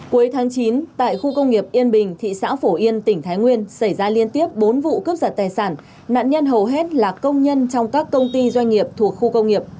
cuối tháng chín tại khu công nghiệp yên bình thị xã phổ yên tỉnh thái nguyên xảy ra liên tiếp bốn vụ cướp giật tài sản